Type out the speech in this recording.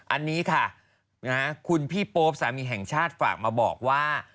อันนี้ค่ะคุณพี่โป๊ปสามีแห่งชาติฝากมาบอกว่า